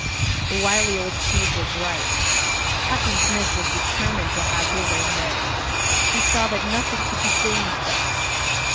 The wily old chief was right. Captain Smith was determined to have his own way. He saw that nothing could be gained thus.